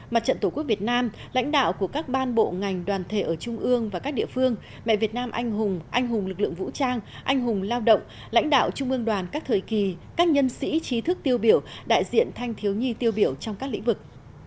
mặt trận tổ quốc việt nam lãnh đạo của các ban bộ ngành đoàn thể ở trung ương và các địa phương mẹ việt nam anh hùng anh hùng lực lượng vũ trang anh hùng lao động lãnh đạo trung ương đoàn các thời kỳ các nhân sĩ trí thức tiêu biểu đại diện thanh thiếu nhi tiêu biểu trong các lĩnh vực